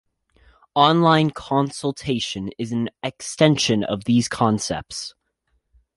Online consultation is an extension of these concepts.